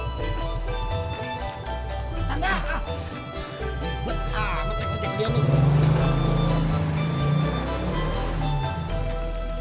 ah mecek mecek dia nih